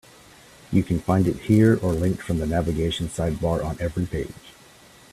You can find it here, or linked from the navigation sidebar on every page.